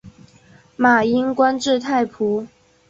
马英官至太仆。